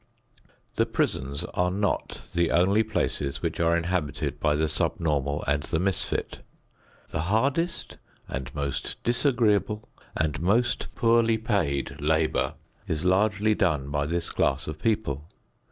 The prisons are not the only places which are inhabited by the sub normal and the misfit. The hardest and most disagreeable and most poorly paid labor is largely done by this class of people.